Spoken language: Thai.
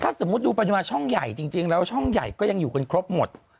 ถ้าสมมุติดูปริมาณช่องใหญ่จริงแล้วช่องใหญ่ก็ยังอยู่กันครบหมด